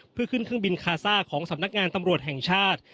เพื่อขึ้นเครื่องบินคาซ่าของสำนักงานตำรวจแห่งชาติ